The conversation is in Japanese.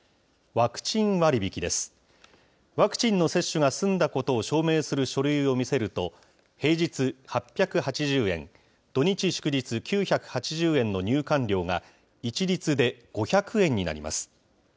ワクチンの接種が済んだことを証明する書類を見せると、平日８８０円、土日祝日９８０円の入館料が、一律で５００円になります。